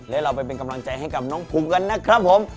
และเราไปเป็นกำลังใจให้กับน้องภูมิกันนะครับผม